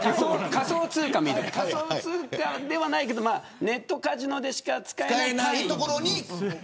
仮想通貨ではないけどネットカジノでしか使えない。